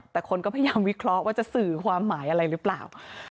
แต่คนก็พยายามวิเคราะห์ว่าจะสื่อความหมายอะไรหรือเปล่า